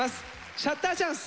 「シャッターチャンス」。